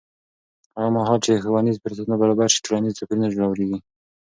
هغه مهال چې ښوونیز فرصتونه برابر شي، ټولنیز توپیر نه ژورېږي.